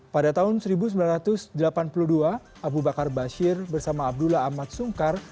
pada tahun seribu sembilan ratus delapan puluh dua abu bakar bashir bersama abdullah ahmad sungkar